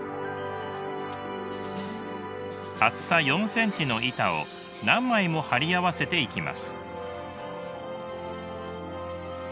厚さ４ｃｍの板を何枚も貼り合わせていきます。